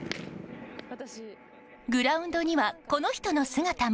グラウンドにはこの人の姿も。